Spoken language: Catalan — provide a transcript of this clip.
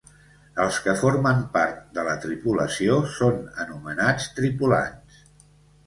Els que formen part de la tripulació són anomenats tripulants.